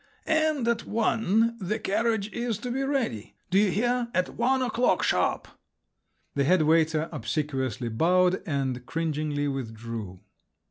"And at one, the carriage is to be ready! Do you hear, at one o'clock sharp!" The head waiter obsequiously bowed, and cringingly withdrew.